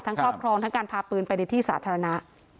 ครอบครองทั้งการพาปืนไปในที่สาธารณะ